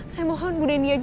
saya mohon bu denny aja